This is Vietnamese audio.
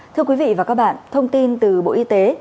thưa quý vị và các bạn thông tin từ bộ y tế